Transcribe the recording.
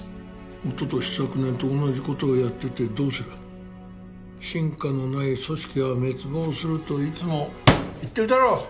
おととし昨年と同じことをやっててどうする進化のない組織は滅亡するといつも言ってるだろ！